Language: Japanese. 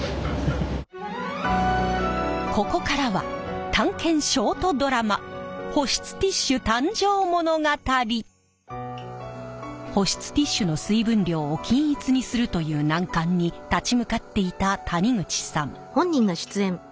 ここからは探検ショートドラマ保湿ティッシュの水分量を均一にするという難関に立ち向かっていた谷口さん。